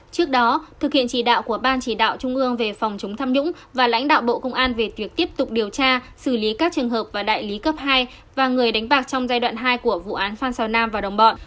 trước đó thực hiện chỉ đạo của ban chỉ đạo trung ương về phòng chống tham nhũng và lãnh đạo bộ công an về việc tiếp tục điều tra xử lý các trường hợp và đại lý cấp hai và người đánh bạc trong giai đoạn hai của vụ án phan xào nam và đồng bọn